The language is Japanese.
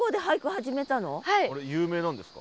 有名なんですか？